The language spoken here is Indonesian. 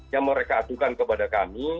yang mereka atukan kepada kami